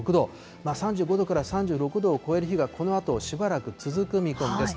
３５度から３６度を超える日がこのあとしばらく続く見込みです。